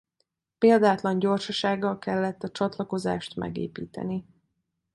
Példátlan gyorsasággal kellett a csatlakozást megépíteni.